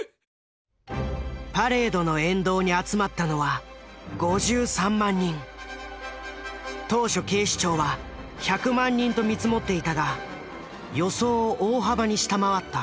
パレードの沿道に集まったのは当初警視庁は１００万人と見積もっていたが予想を大幅に下回った。